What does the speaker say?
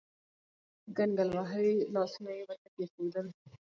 کنګل وهلي لاسونه يې ورته کېښودل.